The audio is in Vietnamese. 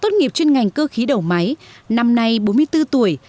tốt nghiệp chuyên ngành cơ khí đầu máy năm nay bốn mươi bốn tuổi